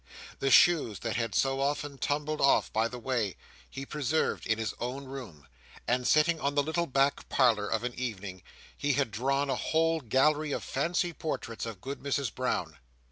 The shoes that had so often tumbled off by the way, he preserved in his own room; and, sitting in the little back parlour of an evening, he had drawn a whole gallery of fancy portraits of Good Mrs Brown.